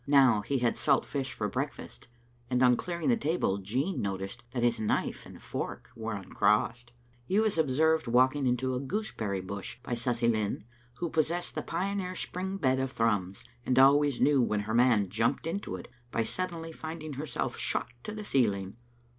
Now he had salt fish for breakfast, and on clearing the table Jean noticed that his knife and fork were uncrossed. He was observed walking into a gooseberry bush by Susy Linn, who possessed the pioneer spring bed of Thrums, and always knew when her man jumped into it by suddenly finding herself shot to the ceiling.